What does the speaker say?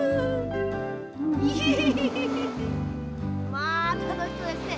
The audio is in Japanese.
まあたのしそうですね。